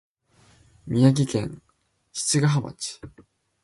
宮城県七ヶ浜町